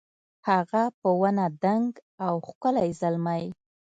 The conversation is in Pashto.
هغه په ونه دنګ او ښکلی زلمی